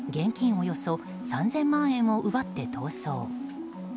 およそ３０００万円を奪って逃走。